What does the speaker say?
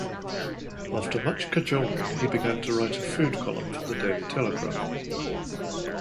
After much cajoling, he began to write a food column for The Daily Telegraph.